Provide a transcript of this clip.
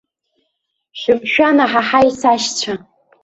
Шәымшәан, аҳаҳаи, сашьцәа!